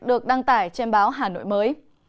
được đăng tải trên báo hà nội mới